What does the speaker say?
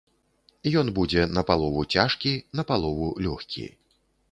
Ён будзе напалову цяжкі, напалову лёгкі.